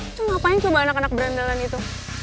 itu ngapain cuma anak anak berendelan itu